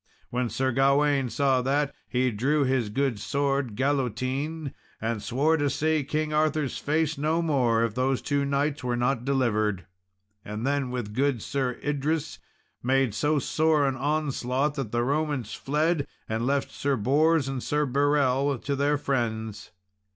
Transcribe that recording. When Sir Gawain saw that, he drew his good sword Galotine, and swore to see King Arthur's face no more if those two knights were not delivered; and then, with good Sir Idrus, made so sore an onslaught that the Romans fled and left Sir Bors and Sir Berel to their friends.